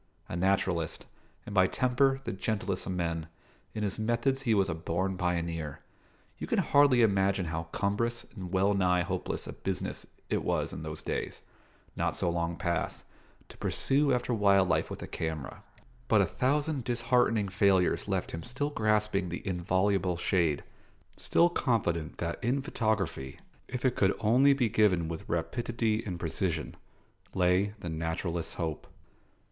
A naturalist, and by temper the gentlest of men, in his methods he was a born pioneer. You can hardly imagine how cumbrous and well nigh hopeless a business it was in those days, not so long past, to pursue after wild life with a camera; but a thousand disheartening failures left him still grasping the inviolable shade, still confident that in photography, if it could only be given with rapidity and precision, lay the naturalist's hope.